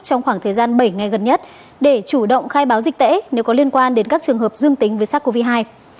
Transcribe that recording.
trong khoảng thời gian bảy ngày gần nhất để chủ động khai báo dịch tễ nếu có liên quan đến các trường hợp dương tính việt sắc covid hai